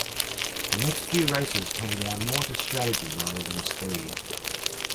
The next few races came down more to strategy rather than speed.